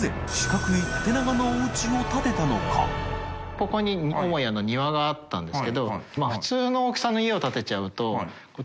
ここに母屋の庭があったんですけど。